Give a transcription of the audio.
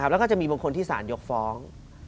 แล้วก็จะมีบางคนที่สารยกฟ้อง